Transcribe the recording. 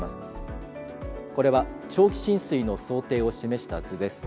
これは長期浸水の想定を示した図です。